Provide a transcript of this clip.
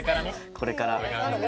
これから。